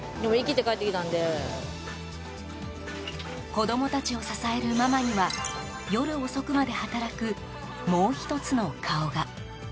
子供たちを支えるママには夜遅くまで働くもう１つの顔が。